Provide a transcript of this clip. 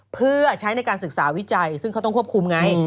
เพื่อใช้ในการศึกษาวิจัยซึ่งเขาต้องควบคุมไง